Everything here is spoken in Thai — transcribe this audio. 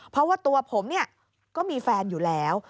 เพราะว่าตัวผมก็มีแฟนอยู่แล้ว